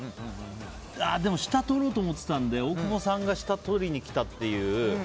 デモ下とろうと思ってたので大久保さんが下とりに来たという。